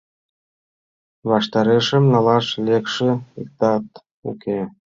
Ваштарешем налаш лекше иктат уке.